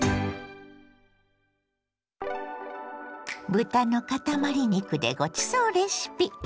豚のかたまり肉でごちそうレシピ。